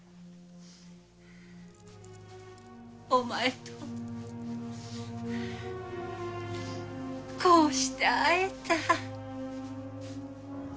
お前とこうして会えた。